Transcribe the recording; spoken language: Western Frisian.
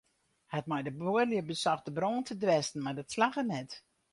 Hy hat mei de buorlju besocht de brân te dwêsten mar dat slagge net.